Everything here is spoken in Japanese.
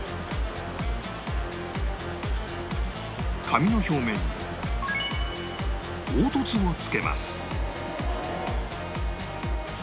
紙の表面に凹凸をつけます